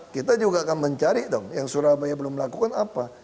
kita juga akan mencari dong yang surabaya belum melakukan apa